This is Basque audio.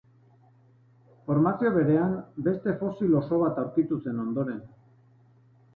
Formazio berean beste fosil oso bat aurkitu zen ondoren.